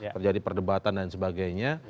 terjadi perdebatan dan sebagainya